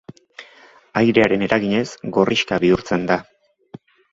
Airearen eraginez, gorrixka bihurtzen da.